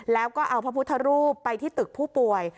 แล้วก็เอาพระพุทธรูปไปที่ตึกผู้ป่วย